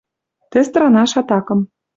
Тӹ странаш атакым.